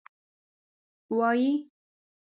وایي.